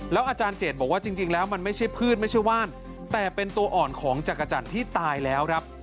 อาจารย์เจดบอกว่าจริงแล้วมันไม่ใช่พืชไม่ใช่ว่านแต่เป็นตัวอ่อนของจักรจันทร์ที่ตายแล้วครับ